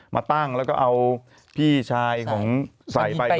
มาตั้งแล้วก็เอาพี่ชายของใส่ไป